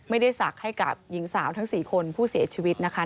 ศักดิ์ให้กับหญิงสาวทั้ง๔คนผู้เสียชีวิตนะคะ